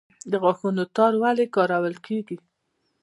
د غاښونو تار ولې کارول کیږي؟